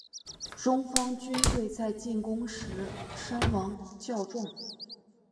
中方军队在进攻时伤亡较重。